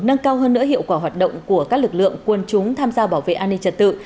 nâng cao hơn nữa hiệu quả hoạt động của các lực lượng quân chúng tham gia bảo vệ an ninh trật tự